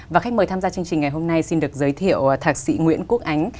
và khách mời tham gia chương trình ngày hôm nay xin được giới thiệu thạc sĩ nguyễn quốc ánh